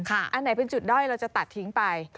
อันไหนเป็นจุดด้อยเราจะตัดทิ้งไป